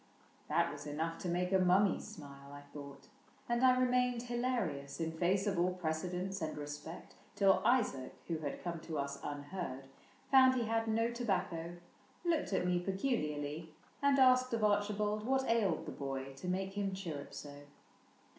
That was enough to make a mummy smile, I thought ; and I remained hilarious. In face of all precedence and respect. Till Isaac (who had come to us unheard) ISAAC AND ARCHIBALD 99 Found he had no tobacco, looked at me Peculiarly, and asked of Archibald What ailed the boy to make him chirrup so.